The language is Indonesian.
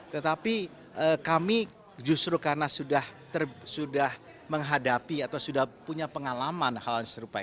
tetapi kami justru karena sudah menghadapi atau sudah punya pengalaman hal serupa